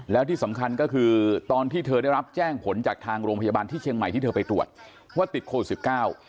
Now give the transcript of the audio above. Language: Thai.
แล้วที่สำคัญก็คือตอนที่เธอได้รับแจ้งผลจากทางโรงพยาบาลที่เชียงใหม่ที่เธอไปตรวจว่าติดโควิดสิบเก้า